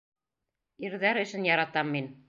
Ирҙәр эшен яратам мин.